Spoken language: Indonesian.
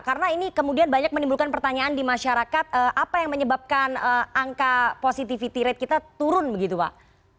karena ini kemudian banyak menimbulkan pertanyaan di masyarakat apa yang menyebabkan angka positivity rate kita turun begitu pak